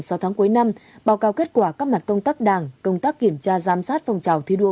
sau tháng cuối năm báo cáo kết quả các mặt công tác đảng công tác kiểm tra giám sát phòng trào thi đua